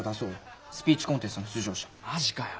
マジかよ。